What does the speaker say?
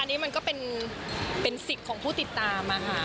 อันนี้มันก็เป็นสิทธิ์ของผู้ติดตามค่ะ